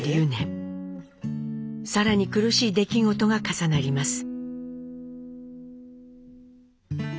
更に苦しい出来事が重なります。